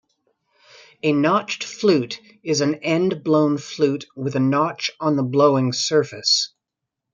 A notched flute is an end-blown flute with a notch on the blowing surface.